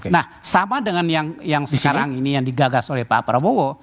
nah sama dengan yang sekarang ini yang digagas oleh pak prabowo